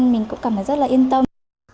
mình cũng cảm thấy rất là yên tâm